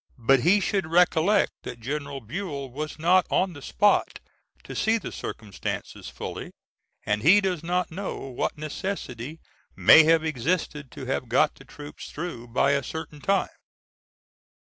But he should recollect that General Buell was not on the spot to see the circumstances fully, and he does not know what necessity may have existed to have got the troops through by a certain time.